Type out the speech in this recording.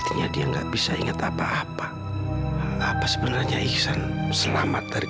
talung ini juga nggak akan balik